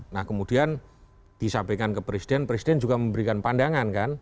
nah kemudian disampaikan ke presiden presiden juga memberikan pandangan kan